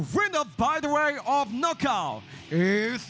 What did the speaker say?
วินาทีที่จะถูกต้องกลับมาคือ